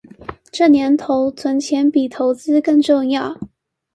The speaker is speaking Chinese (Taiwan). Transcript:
這年頭存錢比投資更重要